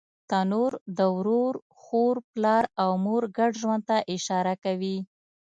تنور د ورور، خور، پلار او مور ګډ ژوند ته اشاره کوي